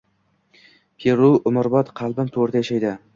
Peru umrbod qalbim to‘rida yashaydi